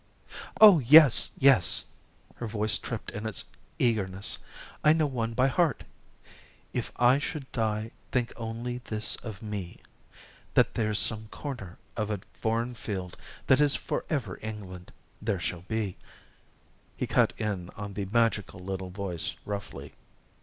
"Oh, yes, yes." Her voice tripped in its eagerness. "I know one by heart "'If I should die think only this of me: (That there's some corner of a foreign field (That is forever England. There shall be " He cut in on the magical little voice roughly.